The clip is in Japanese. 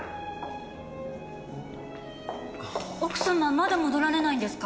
奥様まだ戻られないんですか？